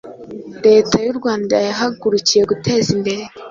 Leta y’u Rwanda yahagurukiye guteza imbere